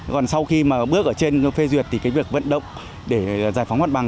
còn sau khi mà bước ở trên phê duyệt thì cái việc vận động để giải phóng hoạt bằng